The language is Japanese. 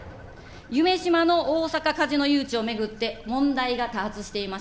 夢洲の大阪カジノ誘致を巡って問題が多発しています。